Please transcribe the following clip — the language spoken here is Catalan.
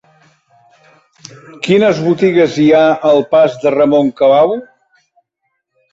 Quines botigues hi ha al pas de Ramon Cabau?